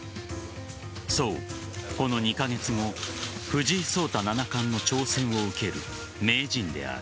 そう、この２カ月後藤井聡太七冠の挑戦を受ける名人である。